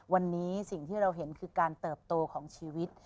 วันนี้สิ่งที่เราเห็นคือการเติบโตของชีวิต